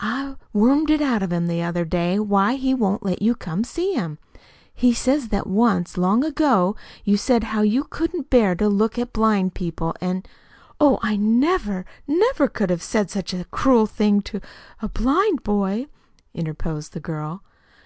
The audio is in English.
I wormed it out of him the other day why he won't let you come to see him. He says that once, long ago, you said how you couldn't bear to look at blind people, an' " "Oh, I never, never could have said such a cruel thing to to a blind boy," interposed the girl.